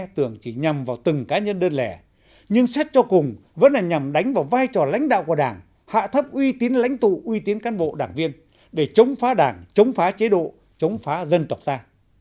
tưởng chỉ nhằm vào từng cá nhân đơn lẻ nhưng xét cho cùng vẫn là nhằm đánh vào vai trò lãnh đạo của đảng hạ thấp uy tín lãnh tụ uy tín cán bộ đảng viên để chống phá đảng chống phá chế độ chống phá dân tộc ta